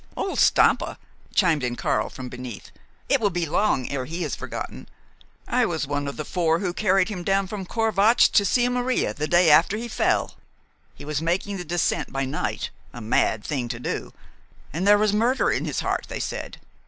"Old Stampa!" chimed in Karl from beneath. "It will be long ere he is forgotten. I was one of four who carried him down from Corvatsch to Sils Maria the day after he fell. He was making the descent by night, a mad thing to do, and there was murder in his heart, they said.